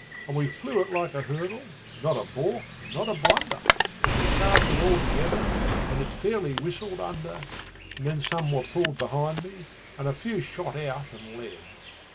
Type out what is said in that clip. And we flew it like a hurdle, not a baulk and not a blunder, As we charged it all together, and it fairly whistled under, And then some were pulled behind me and a few shot out and led.